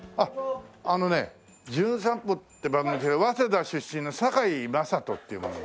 あのね『じゅん散歩』って番組で早稲田出身の堺雅人っていう者。